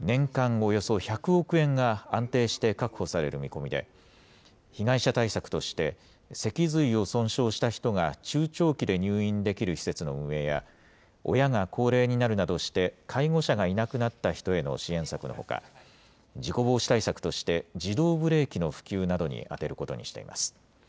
およそ１００億円が安定して確保される見込みで、被害者対策として、脊髄を損傷した人が中長期で入院できる施設の運営や、親が高齢になるなどして、介護者がいなくなった人への支援策のほか、事故防止対策として、自動ブレーキの普及などに充てることにしています。